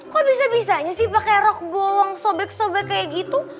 kok bisa bisanya sih pakai rokbong sobek sobek kayak gitu